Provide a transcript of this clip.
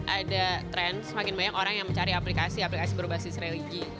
ada tren semakin banyak orang yang mencari aplikasi aplikasi berbasis religi